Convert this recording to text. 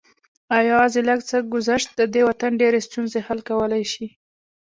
او يوازې لږ څه ګذشت د دې وطن ډېرې ستونزې حل کولی شي